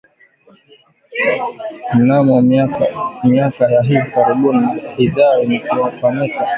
Mnamo miaka ya hivi karibuni idhaa imepanuka na inatangaza kupitia redio televisheni na mitandao ya kijamii